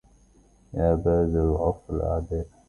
يا باذل العرف لأعدائه